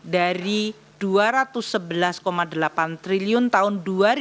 dari rp dua ratus sebelas delapan triliun tahun dua ribu dua puluh